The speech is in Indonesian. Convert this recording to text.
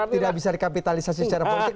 tidak bisa dikapitalisasi secara politik